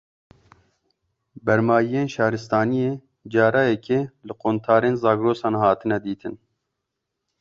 Bermayiyên şaristaniyê, cara yekê li qontarên Zagrosan hatine dîtin